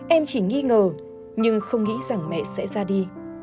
em chỉ nghi ngờ nhưng không nghĩ rằng mẹ sẽ ra đi